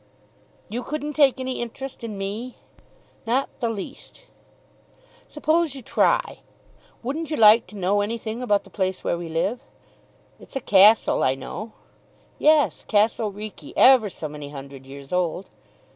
"You couldn't take any interest in me?" "Not the least." "Suppose you try. Wouldn't you like to know anything about the place where we live?" "It's a castle, I know." "Yes; Castle Reekie; ever so many hundred years old."